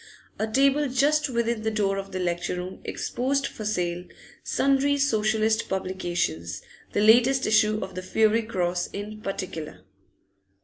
A table just within the door of the lecture room exposed for sale sundry Socialist publications, the latest issue of the 'Fiery Cross' in particular.